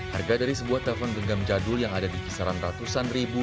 harga dari sebuah telpon genggam jadul yang ada di kisaran ratusan ribu